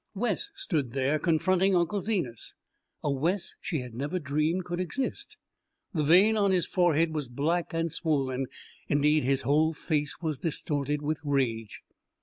Wes stood there, confronting Uncle Zenas a Wes she had never dreamed could exist. The vein on his forehead was black and swollen; indeed his whole face was distorted with rage.